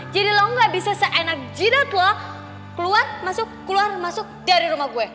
jadi lo gak bisa seenak jidat lo keluar masuk keluar masuk dari rumah gue